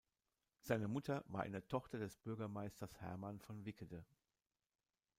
Seine Mutter war eine Tochter des Bürgermeisters Hermann von Wickede.